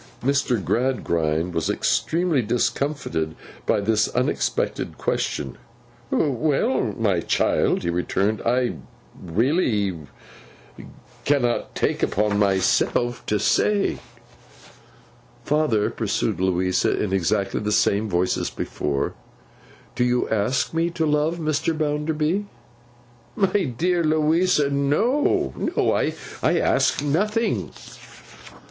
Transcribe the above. Mr. Gradgrind was extremely discomfited by this unexpected question. 'Well, my child,' he returned, 'I—really—cannot take upon myself to say.' 'Father,' pursued Louisa in exactly the same voice as before, 'do you ask me to love Mr. Bounderby?' 'My dear Louisa, no. No. I ask nothing.